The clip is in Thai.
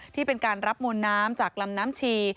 ที่เป็นการรับมวลน้ำจากลำน้ำชี